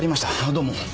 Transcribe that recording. どうも。